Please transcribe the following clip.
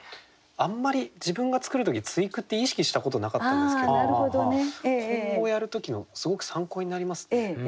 あんまり自分が作る時対句って意識したことなかったんですけど今後やる時のすごく参考になりますね。